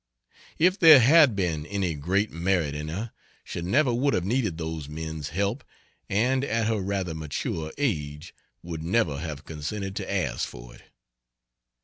If there had been any great merit in her she never would have needed those men's help and (at her rather mature age,) would never have consented to ask for it.